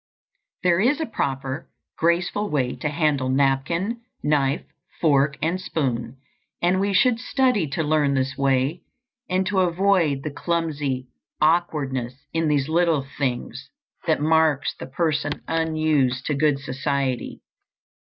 There is a proper, graceful way to handle napkin, knife, fork, and spoon, and we should study to learn this way and to avoid the clumsy awkwardness in these little things that marks the person unused to good society.